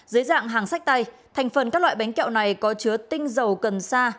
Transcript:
dưới dạng hàng sách tay thành phần các loại bánh kẹo này có chứa tinh dầu cần sa